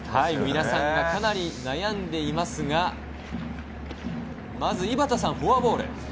皆さんかなり悩んでいますが井端さん、フォアボール。